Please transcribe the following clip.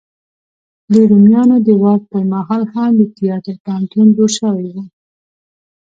د رومیانو د واک په مهال هم د تیاتر پوهنتون جوړ شوی و.